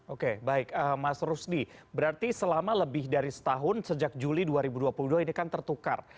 oke baik mas rusdi berarti selama lebih dari setahun sejak juli dua ribu dua puluh dua ini kan tertukar